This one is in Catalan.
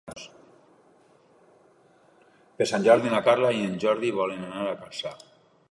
Per Sant Jordi na Carla i en Jordi volen anar a Corçà.